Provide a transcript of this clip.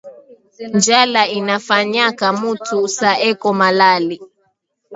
Njala inafanyaka muntu sa eko malali